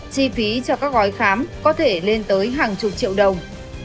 chi phí cho các gói khám có thể lên tới hàng chục triệu đồng